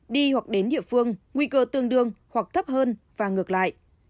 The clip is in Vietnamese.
đi hoặc đến địa phương nguy cơ tương đương hoặc thấp hơn và ngược lại